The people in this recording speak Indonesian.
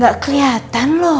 gak keliatan loh